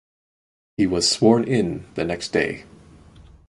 He was sworn in the next day.